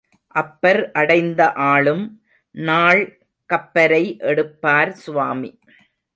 அப்பர் அடைந்த ஆளும் நாள் கப்பரை எடுப்பார் சுவாமி.